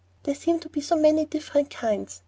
"There seem to be so many different kinds.